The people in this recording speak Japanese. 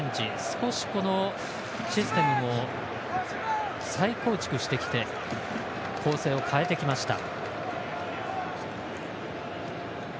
少しシステムも再構築してきて構成を変えてきました。